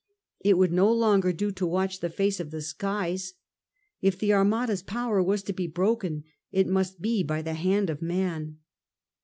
It would no longer do to watch the face of the skies. If the Armada's power was to be broken it must be by the hand of man.